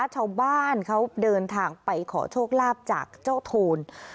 ชาวบ้านเขาเดินทางไปขอโชคลาภจากเจ้าโทน